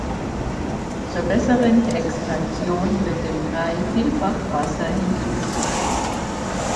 Zur besseren Extraktion wird dem Brei vielfach Wasser hinzugefügt.